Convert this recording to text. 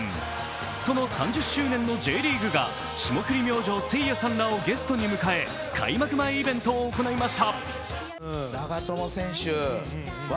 その３０周年のＪリーグが霜降り明星・せいやさんらをゲストに迎え開幕前イベントを行いました。